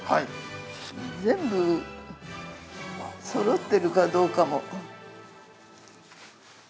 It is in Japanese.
全部そろってるかどうかも。